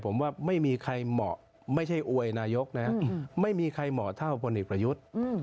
ผมว่าไม่มีใครเหมาะไม่ใช่อวยนายกนะไม่มีใครเหมาะเท่าพลเอกประยุทธ์